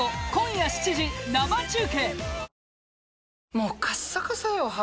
もうカッサカサよ肌。